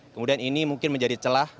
kemudian ini mungkin menjadi celah